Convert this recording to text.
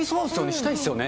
したいっすよね。